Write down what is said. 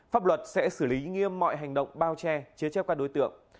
pháp luật sẽ xử lý nghiêm mọi hành động bao che chế chấp các đối tượng